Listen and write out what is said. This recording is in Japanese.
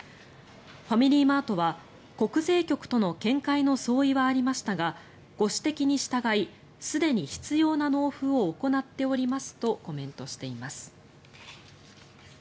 ファミリーマートは国税局との見解の相違はありましたがご指摘に従いすでに必要な納付を行っておりますとコメントしています。